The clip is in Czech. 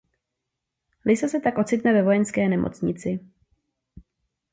Lisa se tak ocitne ve vojenské nemocnici.